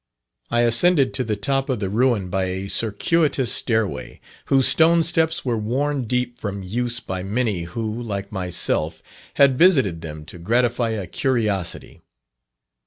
I ascended to the top of the ruin by a circuitous stairway, whose stone steps were worn deep from use by many who, like myself, had visited them to gratify a curiosity.